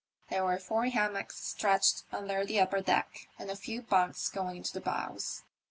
There were four hammocks stretched under the upper deck, and a few bunks going into the bows.